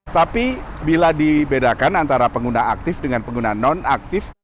tapi bila dibedakan antara pengguna aktif dengan pengguna non aktif